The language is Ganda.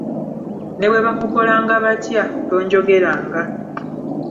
Ne bwe bakukolanga batya, tonjogeranga.